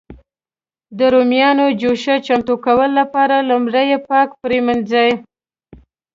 د رومیانو جوشه چمتو کولو لپاره لومړی یې پاک پرېمنځي.